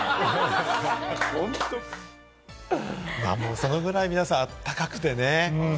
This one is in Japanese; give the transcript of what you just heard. そのぐらい皆さん温かくてね。